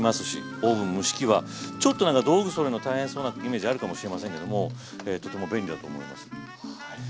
オーブン・蒸し器はちょっとなんか道具そろえるのが大変そうなイメージあるかもしれませんけどもとても便利だと思います。